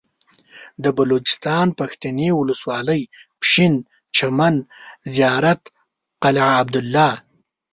د بلوچستان پښتنې ولسوالۍ پشين چمن زيارت قلعه عبدالله